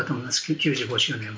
９５周年は。